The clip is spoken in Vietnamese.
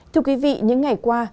thưa quý vị những ngày qua